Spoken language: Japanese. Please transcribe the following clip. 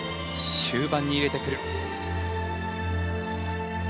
終盤に入れてくる。